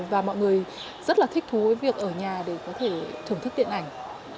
và mọi người rất là thích thú với việc ở nhà để có thể thưởng thức điện ảnh